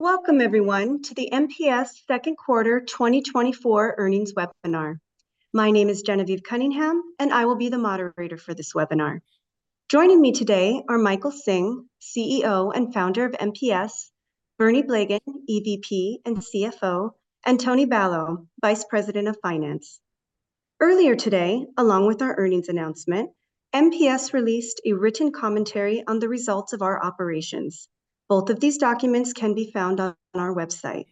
Welcome, everyone, to the MPS Second Quarter 2024 earnings webinar. My name is Genevieve Cunningham, and I will be the moderator for this webinar. Joining me today are Michael Hsing, CEO and founder of MPS; Bernie Blegen, EVP and CFO; and Tony Balow, Vice President of Finance. Earlier today, along with our earnings announcement, MPS released a written commentary on the results of our operations. Both of these documents can be found on our website.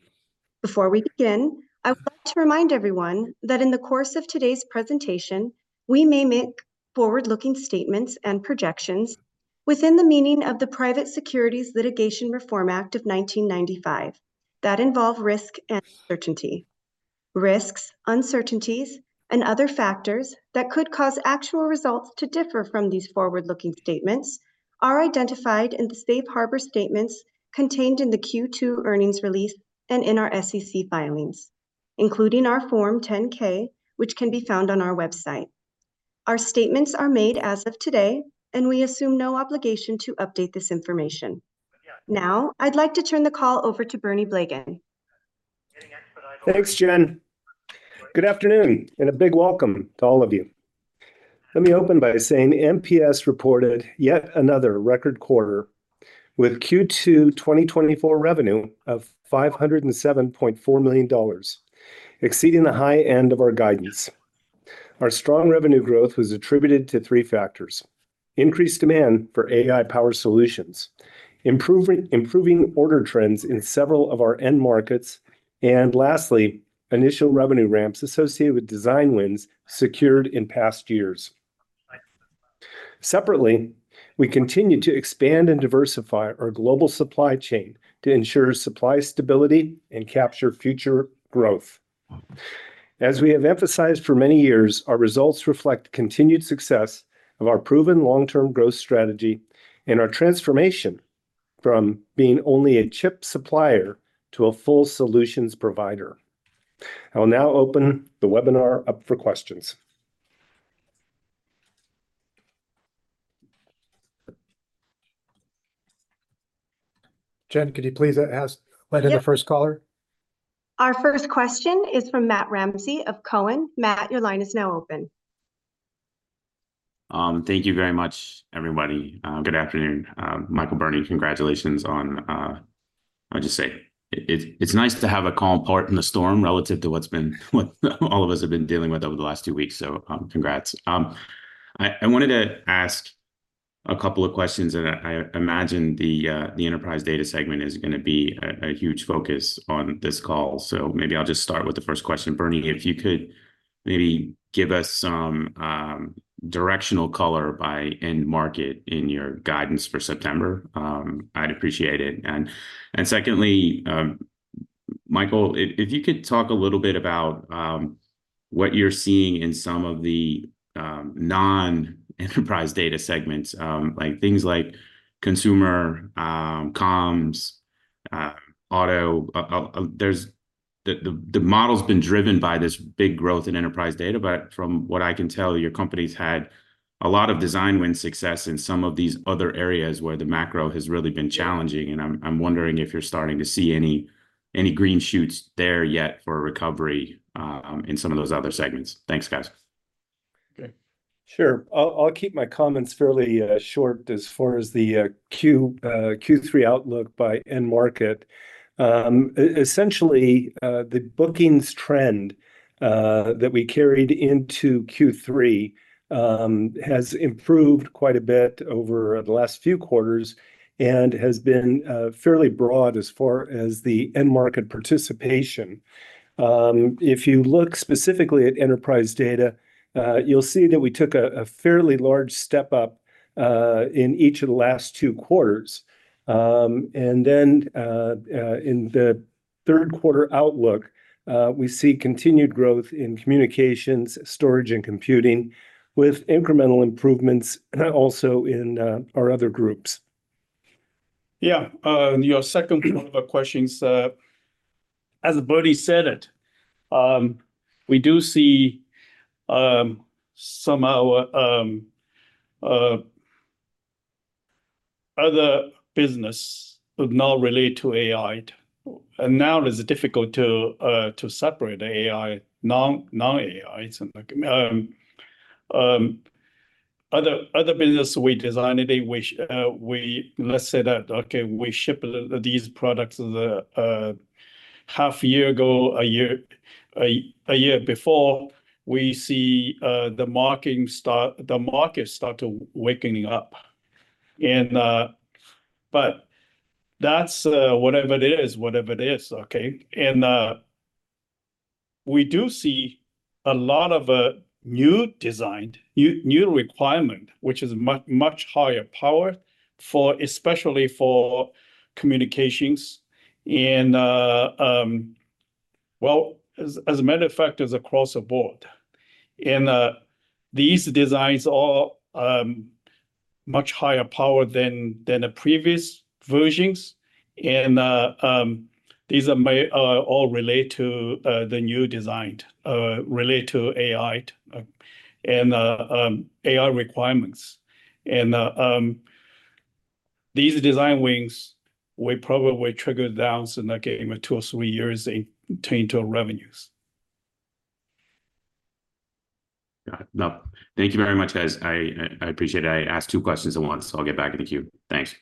Before we begin, I would like to remind everyone that in the course of today's presentation, we may make forward-looking statements and projections within the meaning of the Private Securities Litigation Reform Act of 1995 that involve risk and uncertainty. Risks, uncertainties, and other factors that could cause actual results to differ from these forward-looking statements are identified in the Safe Harbor Statements contained in the Q2 earnings release and in our SEC filings, including our Form 10-K, which can be found on our website. Our statements are made as of today, and we assume no obligation to update this information. Now, I'd like to turn the call over to Bernie Blegen. Thanks, Jen. Good afternoon and a big welcome to all of you. Let me open by saying MPS reported yet another record quarter with Q2 2024 revenue of $507.4 million, exceeding the high end of our guidance. Our strong revenue growth was attributed to three factors: increased demand for AI-powered solutions, improving order trends in several of our end markets, and lastly, initial revenue ramps associated with design wins secured in past years. Separately, we continue to expand and diversify our global supply chain to ensure supply stability and capture future growth. As we have emphasized for many years, our results reflect continued success of our proven long-term growth strategy and our transformation from being only a chip supplier to a full solutions provider. I will now open the webinar up for questions. Jen, could you please let in the first caller? Our first question is from Matt Ramsay of Cowen. Matt, your line is now open. Thank you very much, everybody. Good afternoon. Michael, Bernie, congratulations on, I'll just say, it's nice to have a calm part in the storm relative to what all of us have been dealing with over the last two weeks. So congrats. I wanted to ask a couple of questions, and I imagine the enterprise data segment is going to be a huge focus on this call. So maybe I'll just start with the first question. Bernie, if you could maybe give us some directional color by end market in your guidance for September, I'd appreciate it. And secondly, Michael, if you could talk a little bit about what you're seeing in some of the non-enterprise data segments, like things like consumer, comms, auto. The model's been driven by this big growth in enterprise data, but from what I can tell, your company's had a lot of design win success in some of these other areas where the macro has really been challenging. I'm wondering if you're starting to see any green shoots there yet for recovery in some of those other segments. Thanks, guys. Okay. Sure. I'll keep my comments fairly short as far as the Q3 outlook by end market. Essentially, the bookings trend that we carried into Q3 has improved quite a bit over the last few quarters and has been fairly broad as far as the end market participation. If you look specifically at enterprise data, you'll see that we took a fairly large step up in each of the last two quarters. And then in the third quarter outlook, we see continued growth in communications, storage, and computing with incremental improvements also in our other groups. Yeah. Your second one of the questions, as Bernie said it, we do see some of our other business would not relate to AI. And now it is difficult to separate AI, non-AI, other business we design, they wish we let's say that, okay, we ship these products half a year ago, a year before, we see the market start to waking up. But that's whatever it is, whatever it is, okay? And we do see a lot of new design, new requirement, which is much, much higher power, especially for communications. And, well, as a matter of fact, it's across the board. And these designs are much higher power than the previous versions. And these are all related to the new design, related to AI and AI requirements. And these design wins, we probably will trickle down in, again, two or three years into revenues. Got it. No, thank you very much, guys. I appreciate it. I asked two questions at once, so I'll get back in the queue. Thanks.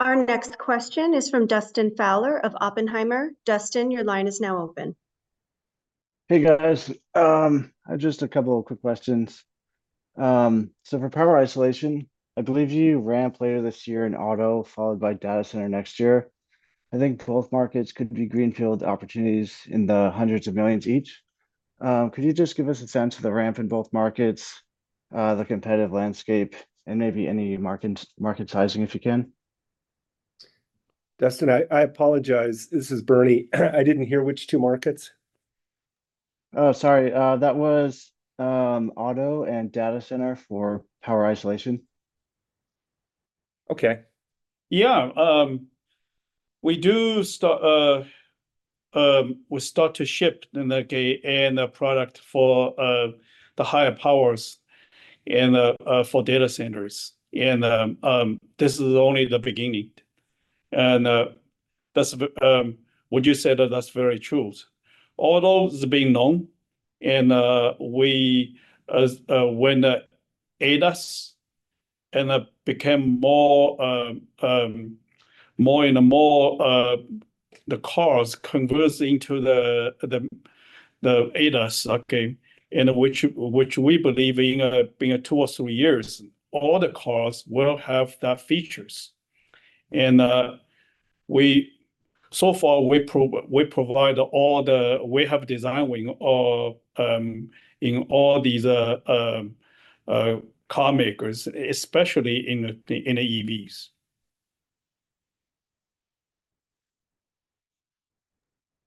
Our next question is from Dustin Fowler of Oppenheimer. Dustin, your line is now open. Hey, guys. Just a couple of quick questions. So for power isolation, I believe you ramp later this year in auto, followed by data center next year. I think both markets could be greenfield opportunities in the $ hundreds of millions each. Could you just give us a sense of the ramp in both markets, the competitive landscape, and maybe any market sizing if you can? Dustin, I apologize. This is Bernie. I didn't hear which two markets. Oh, sorry. That was auto and data center for power isolation. Okay. Yeah. We do start to ship in the product for the higher powers and for data centers. This is only the beginning. Would you say that that's very true? Although it's being known, and when ADAS became more and more the cars convert into the ADAS, okay, which we believe in being two or three years, all the cars will have that features. So far, we provide all the, we have designed in all these car makers, especially in the EVs.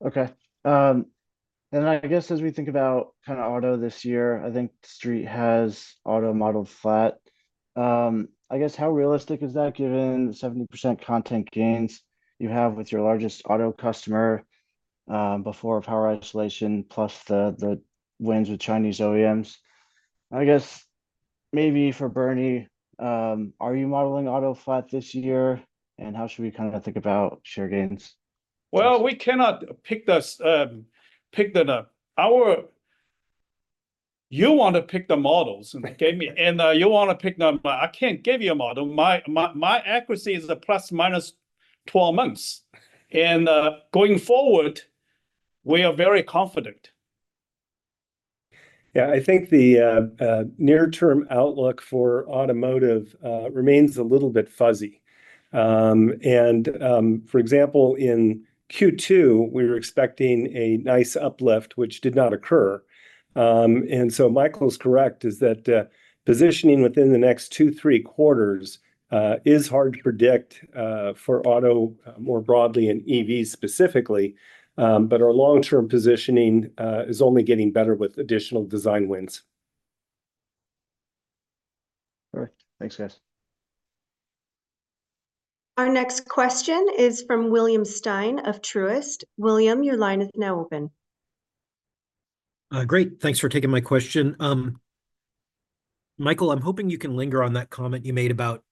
Okay. I guess as we think about kind of auto this year, I think Street has auto modeled flat. I guess how realistic is that given 70% content gains you have with your largest auto customer before power isolation plus the wins with Chinese OEMs? I guess maybe for Bernie, are you modeling auto flat this year? And how should we kind of think about share gains? Well, we cannot pick the hour. You want to pick the models. You want to pick. I can't give you a model. My accuracy is ±12 months. Going forward, we are very confident. Yeah. I think the near-term outlook for automotive remains a little bit fuzzy. For example, in Q2, we were expecting a nice uplift, which did not occur. And so, Michael's correct is that positioning within the next two, three quarters is hard to predict for auto more broadly and EVs specifically, but our long-term positioning is only getting better with additional design wins. All right. Thanks, guys. Our next question is from William Stein of Truist. William, your line is now open. Great. Thanks for taking my question. Michael, I'm hoping you can linger on that comment you made about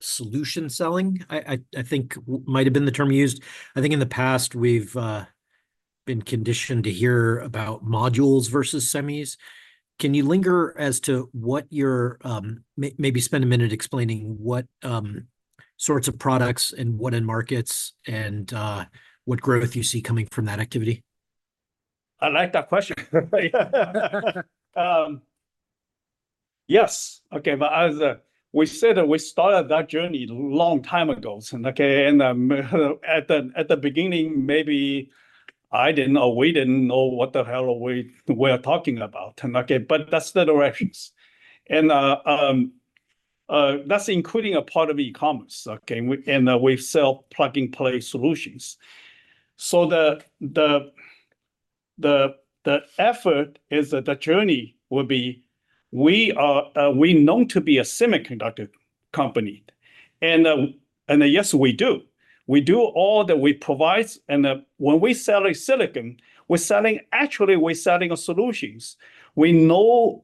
solution selling. I think that might have been the term used. I think in the past, we've been conditioned to hear about modules versus semis. Can you linger as to what you're maybe spend a minute explaining what sorts of products and what end markets and what growth you see coming from that activity? I like that question. Yes. Okay. But as we said, we started that journey a long time ago. And at the beginning, maybe I didn't know we didn't know what the hell we are talking about. But that's the directions. And that's including a part of e-commerce. And we sell plug-and-play solutions. So the effort is that the journey will be we are known to be a semiconductor company. And yes, we do. We do all that we provide. And when we sell silicon, we're selling actually we're selling solutions. We know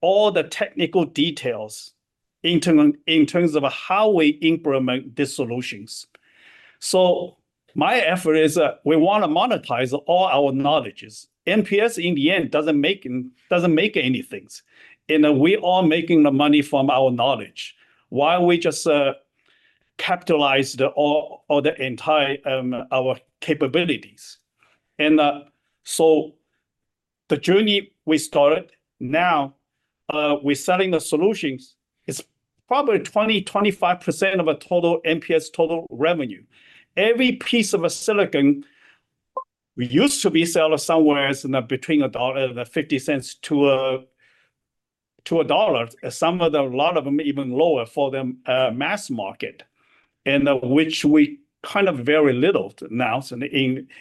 all the technical details in terms of how we implement these solutions. So my effort is we want to monetize all our knowledge. MPS in the end doesn't make anything. And we are making the money from our knowledge while we just capitalize all the entire our capabilities. And so the journey we started, now we're selling the solutions; it's probably 20%-25% of total MPS revenue. Every piece of silicon used to be selling somewhere between $0.50 to $1, some of them a lot of them even lower for the mass market, and which we kind of very little now,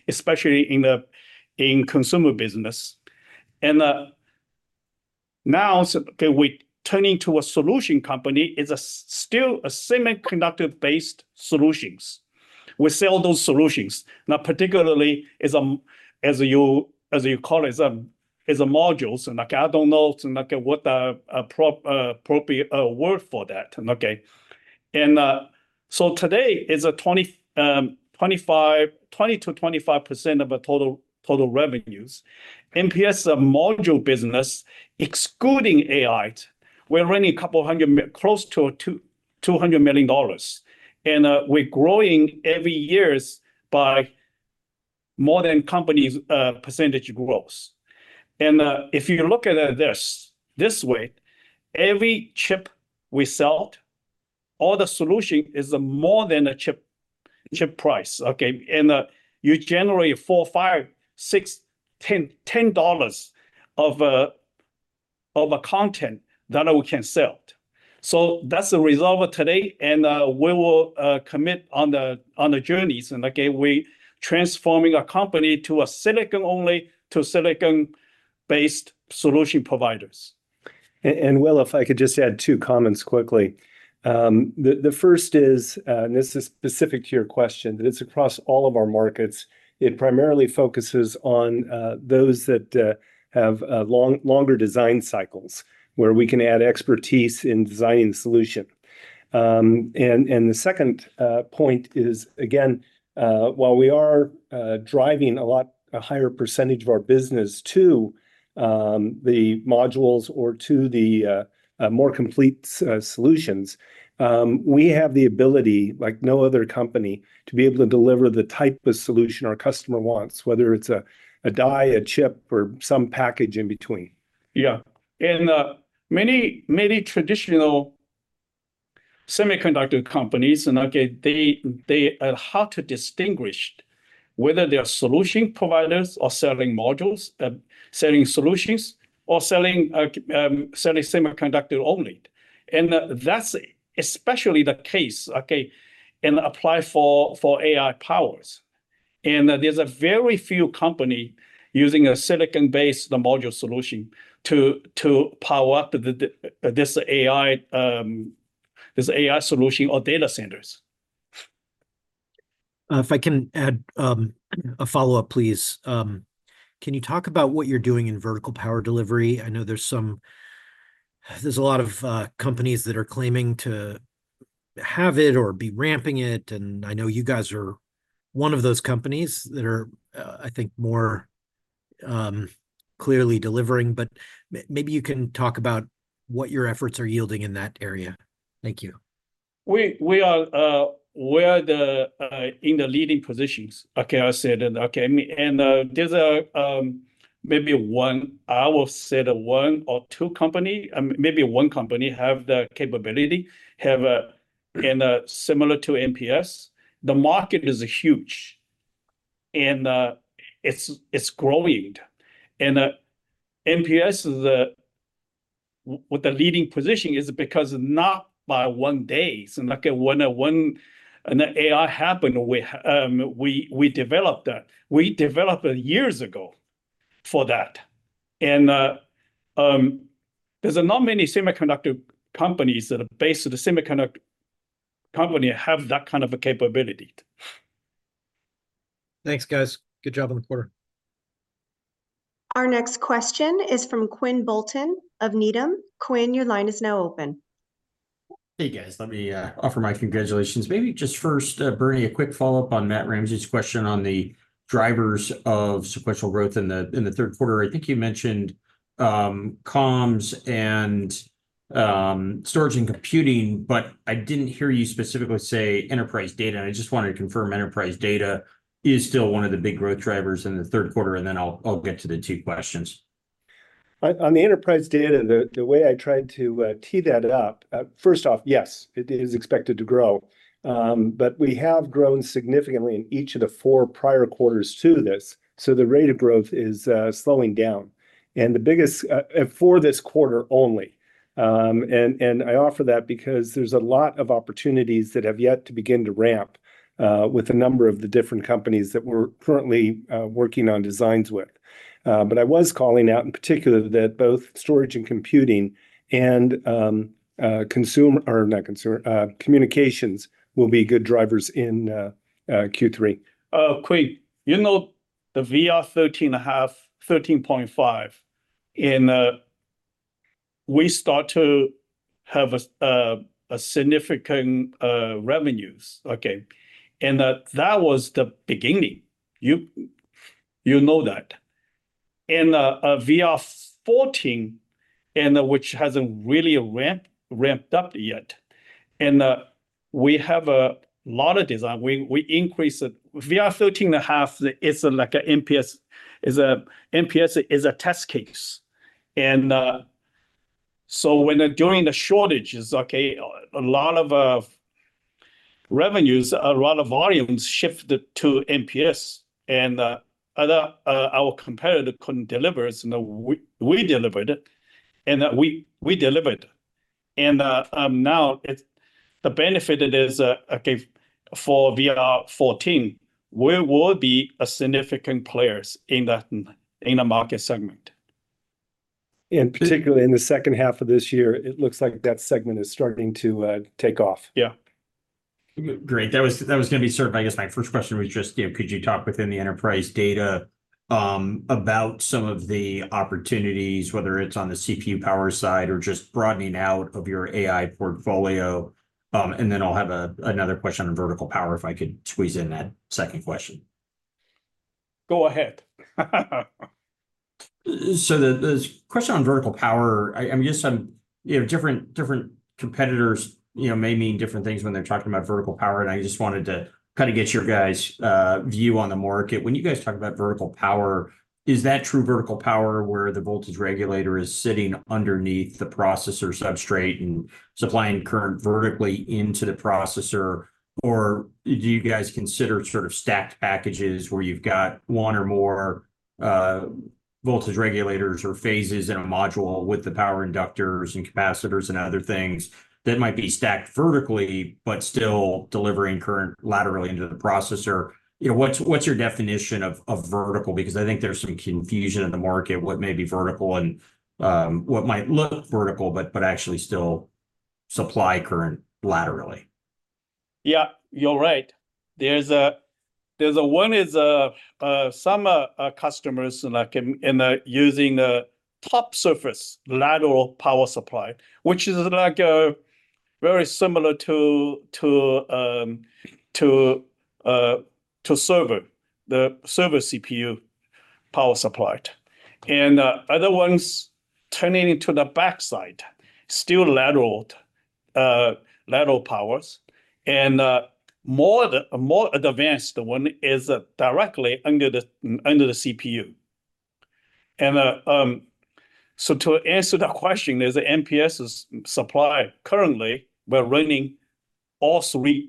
especially in the consumer business. And now we're turning to a solution company. It's still semiconductor-based solutions. We sell those solutions. Now, particularly, as you call it, it's modules. I don't know what the appropriate word for that. Okay. And so today, it's 20%-25% of our total revenues. MPS module business, excluding AI, we're running a couple hundred, close to $200 million. And we're growing every year by more than company percentage growth. If you look at this way, every chip we sell, all the solution is more than a chip price. Okay. You generate $4, $5, $6, $10 of a content that we can sell. So that's the result of today. We will commit on the journeys. Again, we're transforming a company to a silicon-only to silicon-based solution providers. And Will, if I could just add two comments quickly. The first is, and this is specific to your question, that it's across all of our markets. It primarily focuses on those that have longer design cycles where we can add expertise in designing the solution. And the second point is, again, while we are driving a lot higher percentage of our business to the modules or to the more complete solutions, we have the ability, like no other company, to be able to deliver the type of solution our customer wants, whether it's a die, a chip, or some package in between. Yeah. Many traditional semiconductor companies, they are hard to distinguish whether they are solution providers or selling modules, selling solutions, or selling semiconductor only. That's especially the case, okay, and apply for AI powers. There's very few companies using a silicon-based module solution to power up this AI solution or data centers. If I can add a follow-up, please. Can you talk about what you're doing in vertical power delivery? I know there's a lot of companies that are claiming to have it or be ramping it. And I know you guys are one of those companies that are, I think, more clearly delivering. But maybe you can talk about what your efforts are yielding in that area. Thank you. We are in the leading positions. Okay, I said. There's maybe one, I will say one or two companies, maybe one company have the capability similar to MPS. The market is huge. And it's growing. And MPS is with the leading position is because not by one day. And AI happened, we developed that. We developed years ago for that. And there's not many semiconductor companies that are based on the semiconductor company have that kind of a capability. Thanks, guys. Good job on the quarter. Our next question is from Quinn Bolton of Needham. Quinn, your line is now open. Hey, guys. Let me offer my congratulations. Maybe just first, Bernie, a quick follow-up on Matt Ramsay's question on the drivers of sequential growth in the third quarter. I think you mentioned comms and storage and computing, but I didn't hear you specifically say enterprise data. And I just wanted to confirm enterprise data is still one of the big growth drivers in the third quarter. And then I'll get to the two questions. On the enterprise data, the way I tried to tee that up, first off, yes, it is expected to grow. But we have grown significantly in each of the four prior quarters to this. So the rate of growth is slowing down. And the biggest for this quarter only. And I offer that because there's a lot of opportunities that have yet to begin to ramp with a number of the different companies that we're currently working on designs with. But I was calling out in particular that both storage and computing and consumer or not consumer communications will be good drivers in Q3. Quinn, you know the VR 13.5, 13.5, and we start to have significant revenues. Okay. And that was the beginning. You know that. And VR 14, which hasn't really ramped up yet. And we have a lot of design. We increase it. VR 13.5 is like an MPS is a test case. And so when during the shortages, okay, a lot of revenues, a lot of volumes shifted to MPS. And our competitor couldn't deliver it. And we delivered it. And we delivered it. And now the benefit it is, okay, for VR 14, we will be a significant player in the market segment. Particularly in the second half of this year, it looks like that segment is starting to take off. Yeah. Great. That was going to be sort of, I guess, my first question was just, could you talk within the enterprise data about some of the opportunities, whether it's on the CPU power side or just broadening out of your AI portfolio? And then I'll have another question on vertical power if I could squeeze in that second question. Go ahead. So the question on vertical power, I guess different competitors may mean different things when they're talking about vertical power. And I just wanted to kind of get your guys' view on the market. When you guys talk about vertical power, is that true vertical power where the voltage regulator is sitting underneath the processor substrate and supplying current vertically into the processor? Or do you guys consider sort of stacked packages where you've got one or more voltage regulators or phases in a module with the power inductors and capacitors and other things that might be stacked vertically, but still delivering current laterally into the processor? What's your definition of vertical? Because I think there's some confusion in the market, what may be vertical and what might look vertical, but actually still supply current laterally. Yeah. You're right. There is some customers using top surface lateral power supply, which is very similar to server CPU power supply. Other ones turning into the backside, still lateral powers. More advanced one is directly under the CPU. To answer that question, there's an MPS supply currently. We're running all three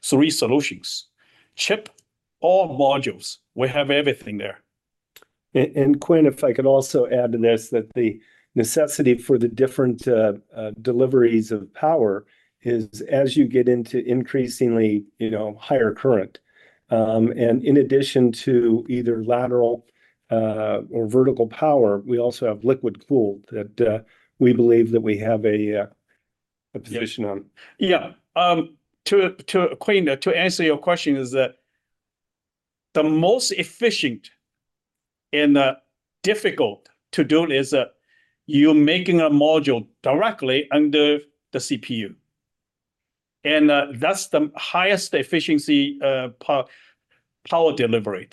solutions, chip or modules. We have everything there. Quinn, if I could also add to this that the necessity for the different deliveries of power is as you get into increasingly higher current. In addition to either lateral or vertical power, we also have Liquid Cool that we believe that we have a position on. Yeah. To answer your question, the most efficient and difficult to do is you're making a module directly under the CPU. And that's the highest efficiency power delivery.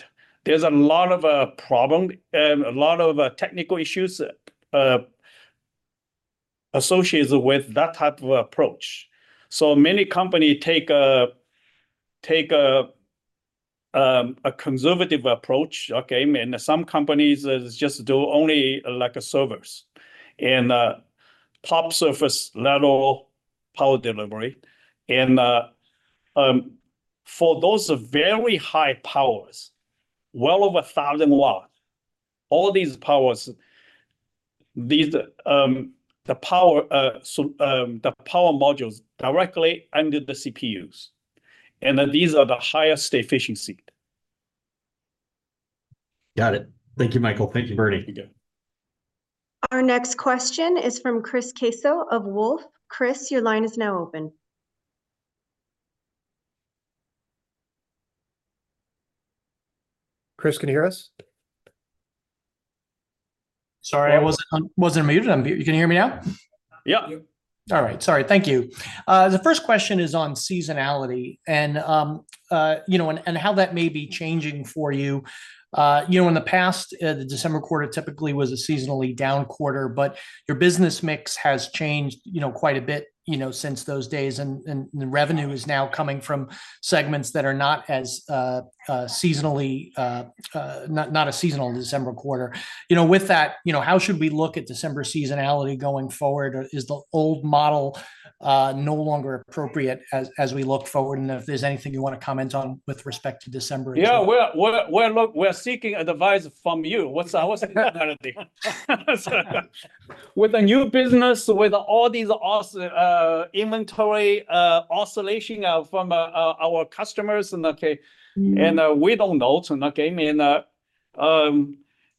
There's a lot of problems and a lot of technical issues associated with that type of approach. So many companies take a conservative approach, okay? And some companies just do only like servers and pop surface lateral power delivery. And for those very high powers, well over 1,000 watts, all these powers, the power modules directly under the CPUs. And these are the highest efficiency. Got it. Thank you, Michael. Thank you, Bernie. Our next question is from Chris Caso of Wolfe. Chris, your line is now open. Chris, can you hear us? Sorry, I wasn't muted. You can hear me now? Yeah. All right. Sorry. Thank you. The first question is on seasonality and how that may be changing for you. In the past, the December quarter typically was a seasonally down quarter, but your business mix has changed quite a bit since those days. The revenue is now coming from segments that are not as seasonal, not a seasonal December quarter. With that, how should we look at December seasonality going forward? Is the old model no longer appropriate as we look forward? If there's anything you want to comment on with respect to December? Yeah. We're seeking advice from you. What's the new business with all these inventory oscillations from our customers? We don't know.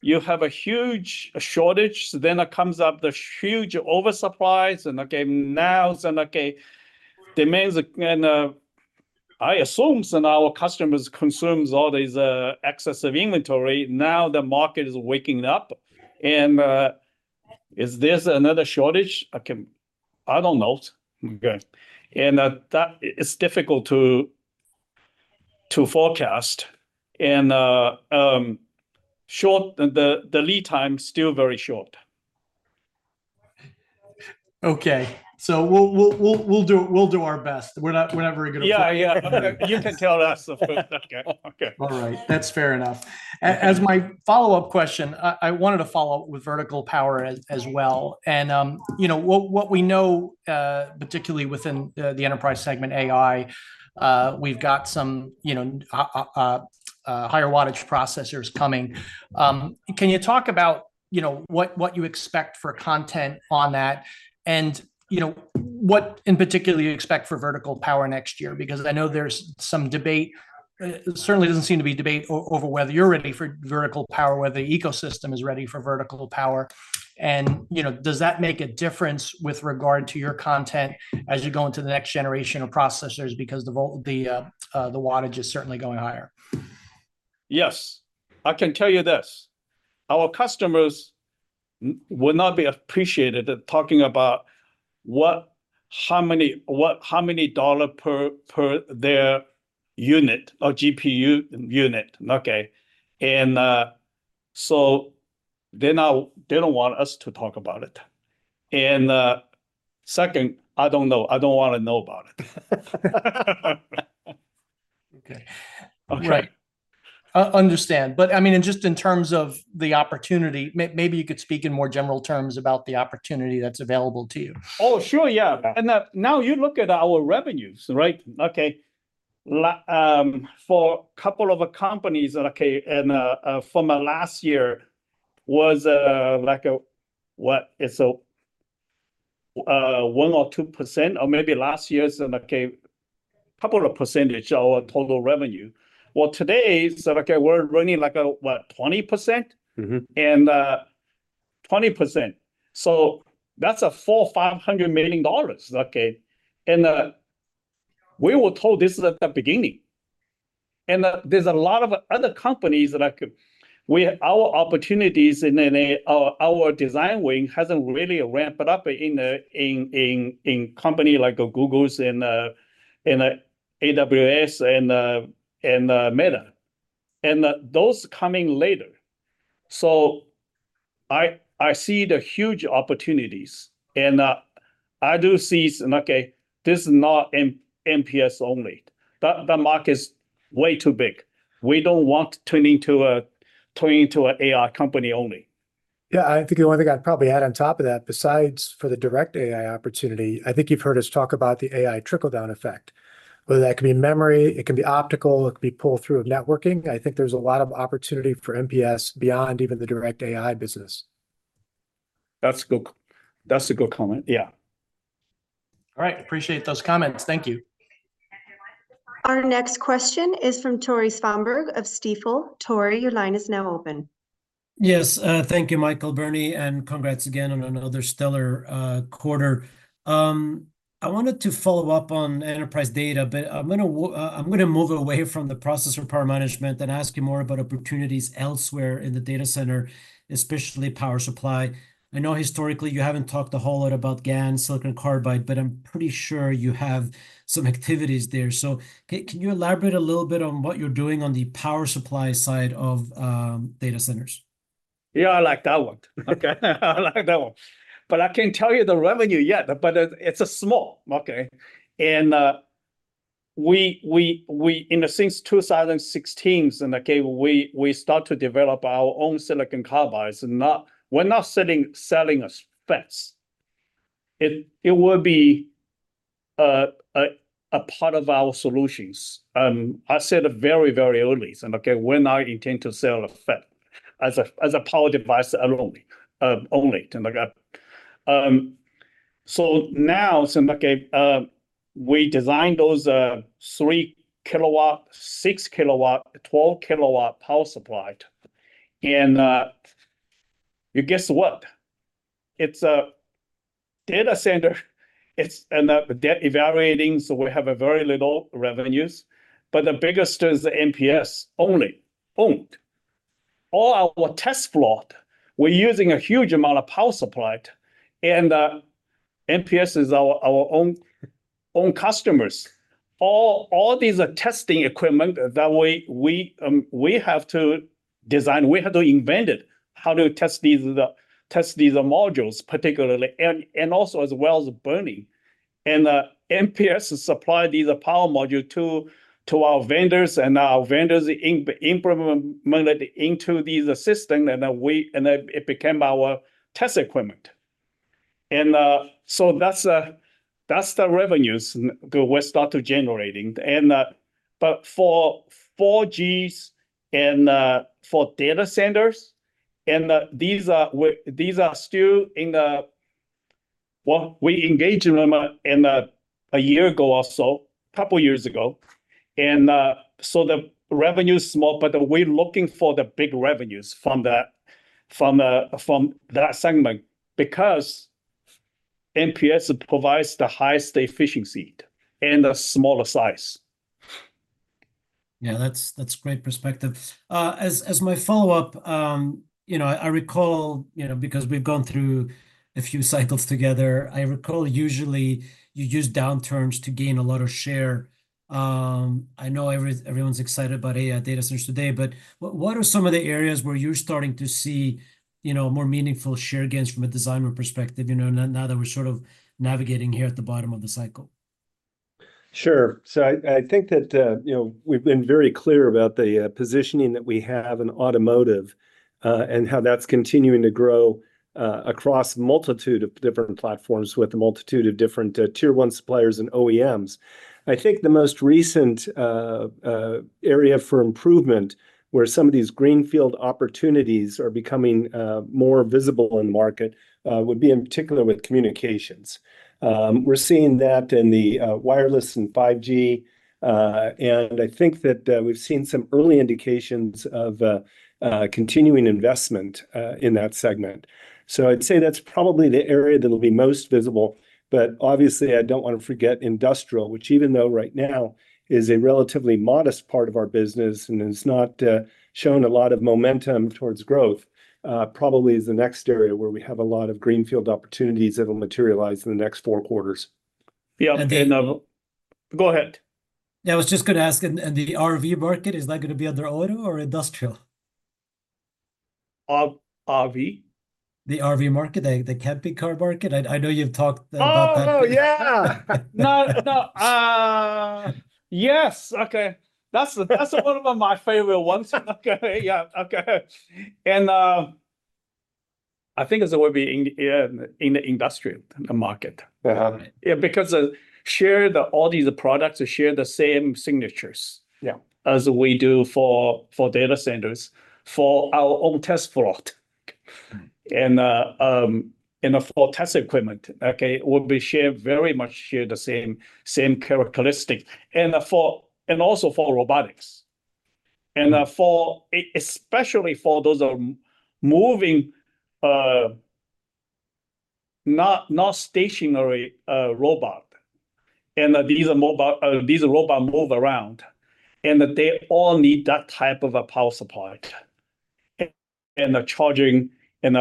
You have a huge shortage. Then it comes up the huge oversupplies. Now demand, and I assume our customers consume all this excessive inventory. Now the market is waking up. Is there another shortage? I don't know. That is difficult to forecast. In short, the lead time is still very short. Okay. So we'll do our best. We're not very good at forecasting. Yeah, yeah. You can tell us. Okay. Okay. All right. That's fair enough. As my follow-up question, I wanted to follow up with vertical power as well. And what we know, particularly within the enterprise segment AI, we've got some higher wattage processors coming. Can you talk about what you expect for content on that? And what in particular you expect for vertical power next year? Because I know there's some debate. Certainly doesn't seem to be debate over whether you're ready for vertical power, whether the ecosystem is ready for vertical power. And does that make a difference with regard to your content as you go into the next generation of processors because the wattage is certainly going higher? Yes. I can tell you this. Our customers will not be appreciated talking about how many dollars per their unit or GPU unit. Okay? And so they don't want us to talk about it. And second, I don't know. I don't want to know about it. Okay. Right. Understand. But I mean, just in terms of the opportunity, maybe you could speak in more general terms about the opportunity that's available to you. Oh, sure. Yeah. Now you look at our revenues, right? Okay. For a couple of companies, okay, and from last year was like what? It's 1% or 2%, or maybe last year's a couple of percent of our total revenue. Well, today, we're running like what, 20%? And 20%. So that's $450 million. Okay. And we were told this is at the beginning. And there's a lot of other companies like our opportunities in our design win hasn't really ramped up in companies like Google's and AWS and Meta. And those coming later. So I see the huge opportunities. And I do see, okay, this is not MPS only. The market's way too big. We don't want to turn into an AI company only. Yeah. I think the only thing I'd probably add on top of that, besides for the direct AI opportunity, I think you've heard us talk about the AI trickle-down effect. Whether that could be memory, it can be optical, it could be pull-through of networking. I think there's a lot of opportunity for MPS beyond even the direct AI business. That's a good comment. Yeah. All right. Appreciate those comments. Thank you. Our next question is from Tore Svanberg of Stifel. Torrey, your line is now open. Yes. Thank you, Michael Bernie. And congrats again on another stellar quarter. I wanted to follow up on enterprise data, but I'm going to move away from the processor power management and ask you more about opportunities elsewhere in the data center, especially power supply. I know historically you haven't talked a whole lot about GaN, silicon carbide, but I'm pretty sure you have some activities there. So can you elaborate a little bit on what you're doing on the power supply side of data centers? Yeah, I like that one. Okay. I like that one. But I can't tell you the revenue yet, but it's small. Okay. And since 2016, okay, we start to develop our own silicon carbides. We're not selling a FETs. It will be a part of our solutions. I said very, very early. And okay, we're not intend to sell a FET as a power device only. So now, okay, we designed those 3-kilowatt, 6-kilowatt, 12-kilowatt power supplies. And you guess what? It's a data center. It's evaluating. So we have very little revenues. But the biggest is MPS only. All our test plot, we're using a huge amount of power supplies. And MPS is our own customers. All these testing equipment that we have to design, we have to invent it, how to test these modules, particularly, and also as well as burning. MPS supplied these power modules to our vendors, and our vendors implemented into these systems, and it became our test equipment. So that's the revenues we start to generate. But for 4Gs and for data centers, and these are still in the, well, we engaged in them a year ago or so, a couple of years ago. So the revenue is small, but we're looking for the big revenues from that segment because MPS provides the highest efficiency and the smaller size. Yeah. That's great perspective. As my follow-up, I recall because we've gone through a few cycles together, I recall usually you use downturns to gain a lot of share. I know everyone's excited about AI data centers today, but what are some of the areas where you're starting to see more meaningful share gains from a designer perspective now that we're sort of navigating here at the bottom of the cycle? Sure. So I think that we've been very clear about the positioning that we have in automotive and how that's continuing to grow across a multitude of different platforms with a multitude of different tier one suppliers and OEMs. I think the most recent area for improvement where some of these greenfield opportunities are becoming more visible in the market would be in particular with communications. We're seeing that in the wireless and 5G. And I think that we've seen some early indications of continuing investment in that segment. So I'd say that's probably the area that will be most visible. But obviously, I don't want to forget industrial, which even though right now is a relatively modest part of our business and has not shown a lot of momentum towards growth, probably is the next area where we have a lot of greenfield opportunities that will materialize in the next four quarters. Yeah. And then go ahead. Yeah. I was just going to ask, and the RV market, is that going to be under auto or industrial? RV. The RV market, the camping car market? I know you've talked about that. Oh, yeah. No. No. Yes. Okay. That's one of my favorite ones. Okay. Yeah. Okay. And I think it will be in the industrial market. Yeah. Because share all these products share the same signatures as we do for data centers for our own test plot and for test equipment. Okay. We'll be sharing very much share the same characteristics. And also for robotics. And especially for those moving, not stationary robot. And these robots move around. And they all need that type of power supply and charging and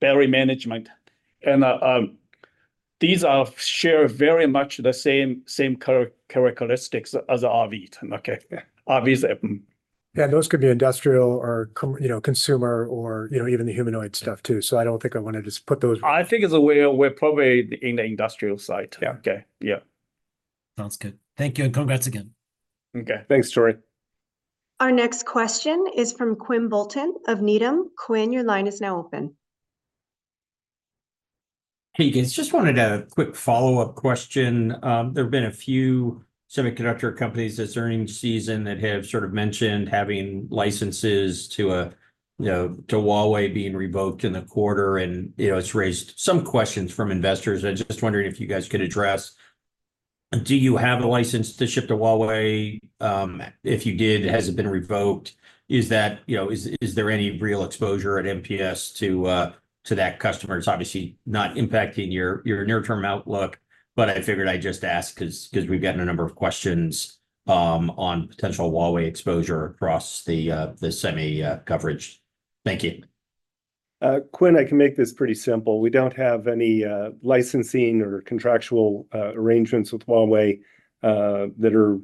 battery management. And these share very much the same characteristics as RVs. Okay. RVs. Yeah. Those could be industrial or consumer or even the humanoid stuff too. So I don't think I want to just put those. I think it's a way we're probably in the industrial side. Okay. Yeah. Sounds good. Thank you. And congrats again. Okay. Thanks, Torrey. Our next question is from Quinn Bolton of Needham. Quinn, your line is now open. Hey, guys. Just wanted a quick follow-up question. There have been a few semiconductor companies this earning season that have sort of mentioned having licenses to Huawei being revoked in the quarter. It's raised some questions from investors. I'm just wondering if you guys could address, do you have a license to ship to Huawei? If you did, has it been revoked? Is there any real exposure at MPS to that customer? It's obviously not impacting your near-term outlook, but I figured I'd just ask because we've gotten a number of questions on potential Huawei exposure across the semi coverage. Thank you. Quinn, I can make this pretty simple. We don't have any licensing or contractual arrangements with Huawei that are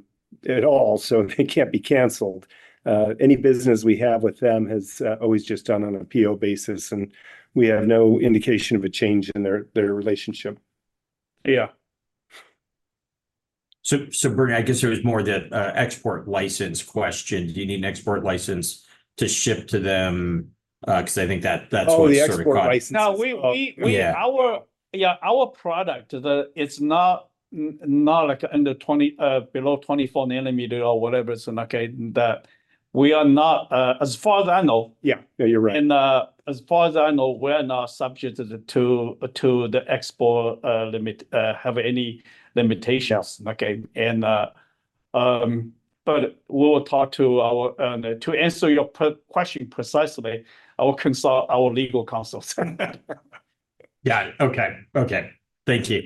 at all, so they can't be canceled. Any business we have with them has always just done on a PO basis, and we have no indication of a change in their relationship. Yeah. So Bernie, I guess it was more the export license question. Do you need an export license to ship to them? Because I think that's what's sort of causing the issue. Oh, the export license. Yeah. Our product, it's not below 24 nanometer or whatever. So we are not, as far as I know. Yeah. Yeah. You're right. As far as I know, we're not subjected to the export limit, have any limitations. Okay. But we will talk to our, to answer your question precisely, I will consult our legal counsels. Yeah. Okay. Okay. Thank you.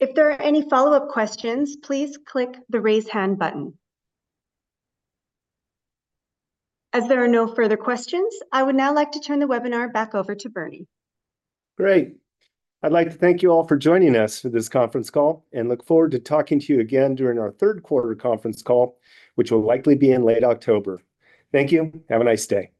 If there are any follow-up questions, please click the raise hand button. As there are no further questions, I would now like to turn the webinar back over to Bernie. Great. I'd like to thank you all for joining us for this conference call and look forward to talking to you again during our third quarter conference call, which will likely be in late October. Thank you. Have a nice day.